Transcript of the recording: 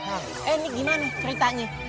eh ini gimana ceritanya